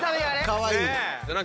かわいい。